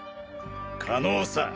可能さ。